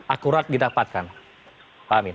akurat didapatkan amin